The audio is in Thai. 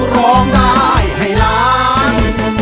ร้องได้ให้ล้าน